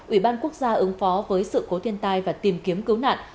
ủy ban quốc gia ứng phó với sự cố thiên tai và tìm kiếm cứu nạn